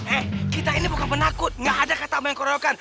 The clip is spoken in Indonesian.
eh kita ini bukan penakut gak ada kata mengkorokan